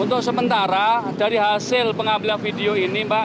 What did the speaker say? untuk sementara dari hasil pengambilan video ini mbak